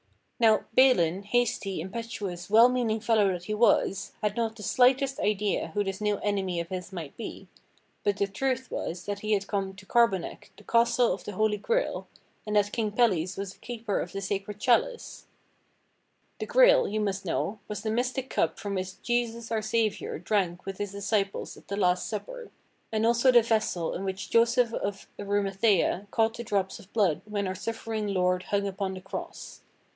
Now Balin, hasty, impetuous, well meaning fellow that he was, had not the slightest idea who this new enemy of his might be; but the truth was that he had come to Carbonek, the Castle of the Holy Grail, and that King Pelles was the keeper of the Sacred Chalice. THE DOLOROUS STROKE 103 The Grail, you must know, was the mystic Cup from which Jesus our Saviour drank with his disciples at the Last Supper; and also the Vessel in which Joseph of Arimathaea caught the drops of blood when our suffering Lord hung upon the cross.